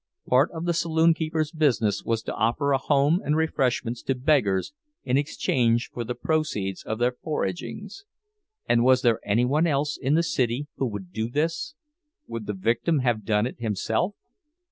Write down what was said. Part of the saloon keeper's business was to offer a home and refreshments to beggars in exchange for the proceeds of their foragings; and was there any one else in the whole city who would do this—would the victim have done it himself?